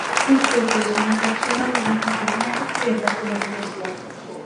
El fruto es una cápsula inmadura completamente cubierta por la pilosidad.